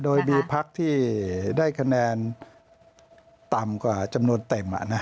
โดยมีพักที่ได้คะแนนต่ำกว่าจำนวนเต็ม